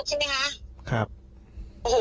แล้วแฟนก็ไม่แล้วก็ไม่เคยสั่งใครที่เจ๊ไปกระทืบ